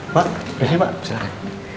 pak beresnya pak silakan